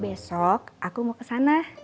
besok aku mau kesana